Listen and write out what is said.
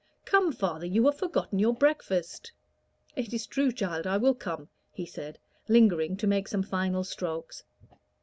"Come, father, you have forgotten your breakfast." "It is true, child, I will come," he said, lingering to make some final strokes.